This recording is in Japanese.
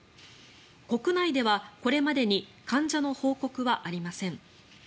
国内ではこれまでに患者の報告はありません。